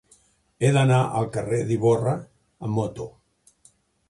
He d'anar al carrer d'Ivorra amb moto.